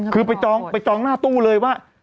คือไปจองหน้าตู้เลยว่า